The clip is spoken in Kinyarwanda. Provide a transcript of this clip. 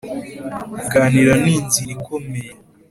kuganira ni inzira ikomeye